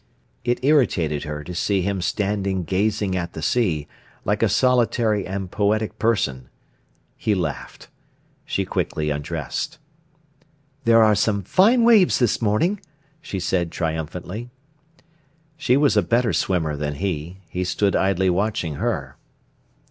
It irritated her to see him standing gazing at the sea, like a solitary and poetic person. He laughed. She quickly undressed. "There are some fine waves this morning," she said triumphantly. She was a better swimmer than he; he stood idly watching her.